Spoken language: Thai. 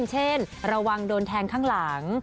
เช่นระวังโดนแทงข้างหลัง